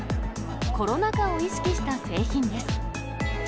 コロナ禍を意識した製品です。